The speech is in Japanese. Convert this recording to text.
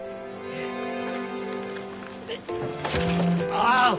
ああ！